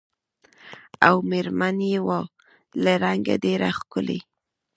او مېر من یې وه له رنګه ډېره ښکلې